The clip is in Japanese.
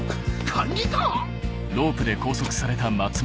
管理官⁉